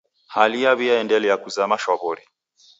Hali yaw'iaendelia kuzama shwaw'ori.